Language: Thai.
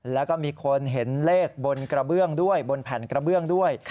แล้วก็มีคนเห็นเลขบนกระเบื้องด้วยบนแผ่นกระเบื้องด้วย